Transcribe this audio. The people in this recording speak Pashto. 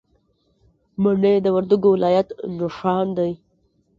مڼې د وردګو ولایت نښان دی.